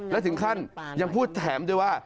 และถึงขั้นยังพูดแถมด้วยว่า